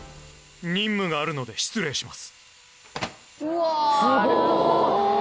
任務があるので失礼します